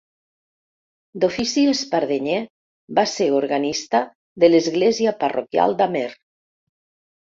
D'ofici espardenyer, va ser organista de l'església parroquial d'Amer.